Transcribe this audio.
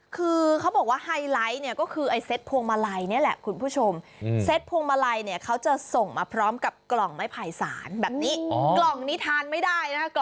คือเขาบอกว่าไฮไลท์เนี่ยก็คือไอ